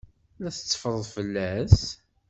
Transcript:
La tetteffreḍ fell-as?